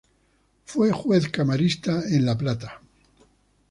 Fue juez camarista en La Plata.